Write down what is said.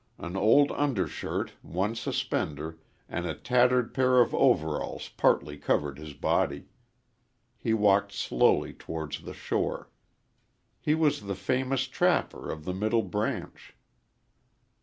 An old undershirt, one suspender, and a tattered pair of overalls partly covered his body. He walked slowly towards the shore. He was the famous trapper of the Middle Branch.